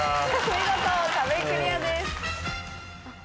見事壁クリアです。